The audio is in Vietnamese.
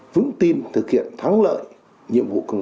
vững tin thực hiện thắng